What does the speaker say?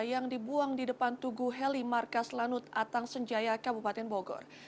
yang dibuang di depan tugu heli markas lanut atang senjaya kabupaten bogor